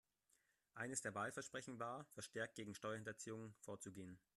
Eines der Wahlversprechen war, verstärkt gegen Steuerhinterziehung vorzugehen.